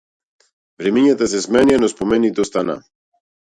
Времињата се сменија но спомените останаа.